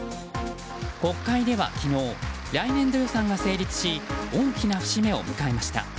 国会では昨日、来年度予算が成立し大きな節目を迎えました。